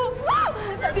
ya allah marni